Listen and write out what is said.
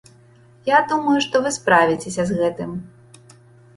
Я думаю, што вы справіцеся з гэтым.